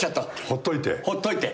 ほっといて。